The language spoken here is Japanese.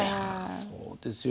そうですよ。